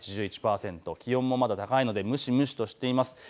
気温もまだ高いので蒸し蒸しとしています。